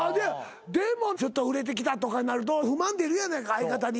でもちょっと売れてきたとかになると不満出るやないか相方に。